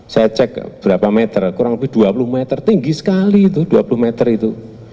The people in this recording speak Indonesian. saya cek berapa meter kurang lebih dua puluh meter tinggi sekali itu dua puluh meter itu